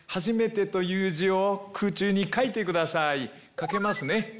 書けますね。